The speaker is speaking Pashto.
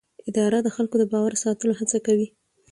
اداره د خلکو د باور ساتلو هڅه کوي.